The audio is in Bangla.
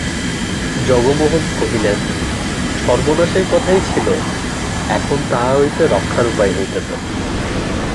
জগমোহন কহিলেন, সর্বনাশের কথাই ছিল, এখন তাহা হইতে রক্ষার উপায় হইতেছে।